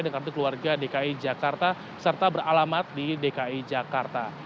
dan kartu keluarga dki jakarta serta beralamat di dki jakarta